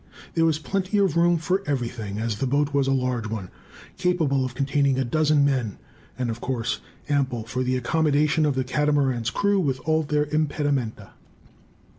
There was plenty of room for everything: as the boat was a large one, capable of containing a dozen men; and of course ample for the accommodation of the Catamaran's crew, with all their impedimenta.